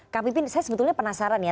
kang pipin saya sebetulnya penasaran ya